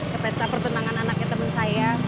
ke peta pertunangan anaknya temen saya